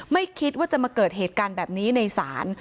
ไม่คิดว่าจะมาเกิดเหตุการณ์แบบนี้ในศาล